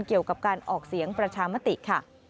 เกี่ยวกับการออกเสียงประชามติค่ะ